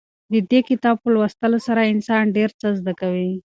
د دې کتاب په لوستلو سره انسان ډېر څه زده کوي.